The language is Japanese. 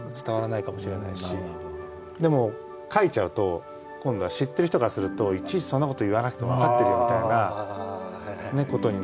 でも書いちゃうと今度は知ってる人からするといちいちそんなこと言わなくても分かってるよみたいなことになっちゃうかもしれないし。